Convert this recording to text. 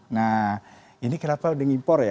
nah ini kenapa pengimpor ya